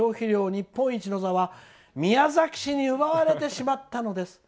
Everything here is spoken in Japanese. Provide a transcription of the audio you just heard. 日本一の座は宮崎市に奪われてしまったのです。